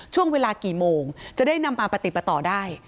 ช่วงเวลากี่โมงจะได้นำมาปฏิปต่อได้